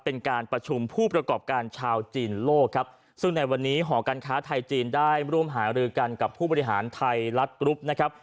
เป็นการประชุมผู้ประกอบการชาวจีนโลกครับซึ่งในวันนี้หอการค้าไทยจีนได้ร่วมหารือกันกับผู้บริหารไทยรัฐกรุ๊ปนะครับ